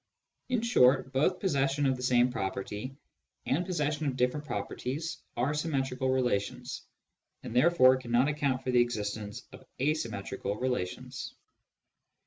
In short, both possession of the same property and possession of different properties are symmetrical relations, and therefore cannot account for the existence of asymmetrical relations.